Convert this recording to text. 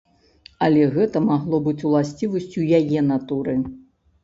Але гэта магло быць уласцівасцю яе натуры.